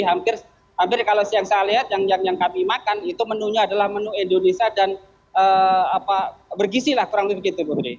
hampir kalau yang saya lihat yang kami makan itu menunya adalah menu indonesia dan bergisi lah kurang lebih begitu putri